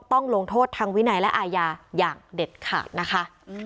ต้องลงโทษทางวินัยและอาญาอย่างเด็ดขาดนะคะ